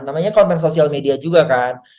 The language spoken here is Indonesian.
namanya konten sosial media juga kan